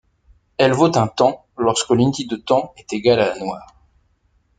Elle vaut un temps lorsque l'unité de temps est égale à la noire.